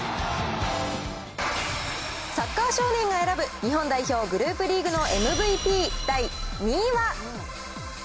サッカー少年が選ぶ日本代表グループリーグのＭＶＰ第２位は。